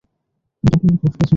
ওটা কোনো প্রশ্ন ছিলো না।